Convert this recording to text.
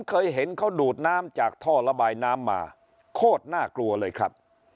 เคยเห็นเขาดูดน้ำจากท่อระบายน้ำมาโคตรน่ากลัวเลยครับ